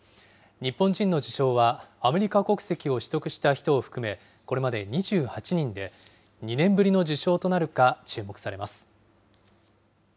日本人の受賞は、アメリカ国籍を取得した人を含めこれまでに２８人で、２年ぶりの受賞となるか注目されます。